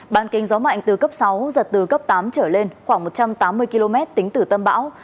bàn kính gió mạnh từ cấp sáu giật từ cấp tám trở lên khoảng một trăm tám mươi km tính từ tâm bão